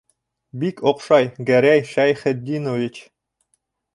Бик оҡшай, Гәрәй Шәйхетдинович.